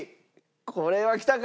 これはきたか？